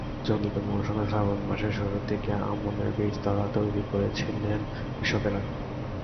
চলতি মৌসুমে শ্রাবণ মাসের শুরুর দিকে আমনের বীজতলা তৈরি করেছিলেন কৃষকেরা।